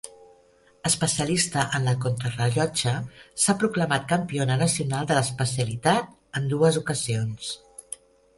Especialista en la contrarellotge, s'ha proclamat campiona nacional de l'especialitat, en dues ocasions.